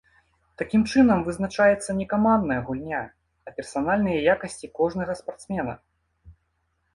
Такім чынам вызначаецца не камандная гульня, а персанальныя якасці кожнага спартсмена.